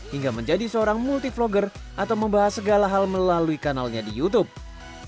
hingga menjadi seorang multi vlogger atau membahas segala hal melalui kanalnya di youtube